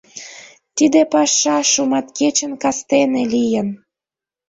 Тиде паша шуматкечын кастене лийын.